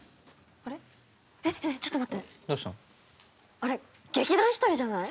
あれ劇団ひとりじゃない？